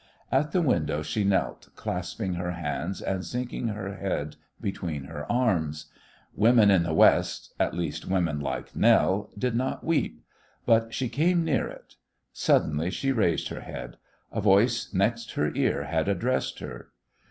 At the window she knelt, clasping her hands and sinking her head between her arms. Women in the West, at least women like Nell, do not weep. But she came near it. Suddenly she raised her head. A voice next her ear had addressed her.